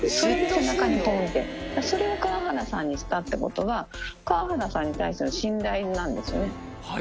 背中にぽんって、それを川原さんにしたってことは、川原さんに対する信頼なんですよね。